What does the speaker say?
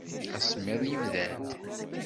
Asemmiḍ yebda-d.